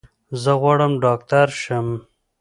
زه غواړم ډاکټر شم.